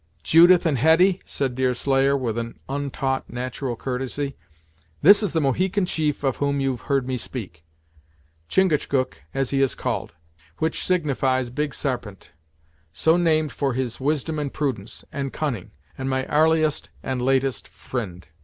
"Judith and Hetty" said Deerslayer, with an untaught, natural courtesy "this is the Mohican chief of whom you've heard me speak; Chingachgook as he is called; which signifies Big Sarpent; so named for his wisdom and prudence, and cunning, and my 'arliest and latest fri'nd.